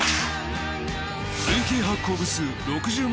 累計発行部数６０万